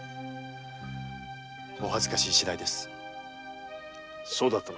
お恥ずかしい次第です。